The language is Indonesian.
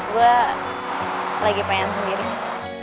gue lagi pengen sendirian